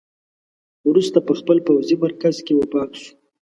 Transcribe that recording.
وروسته په خپل پوځي مرکز کې وفات شو.